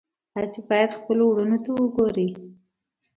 تاسو باید خپلو وروڼو ته وګورئ.